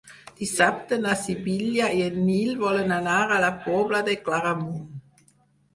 Dissabte na Sibil·la i en Nil volen anar a la Pobla de Claramunt.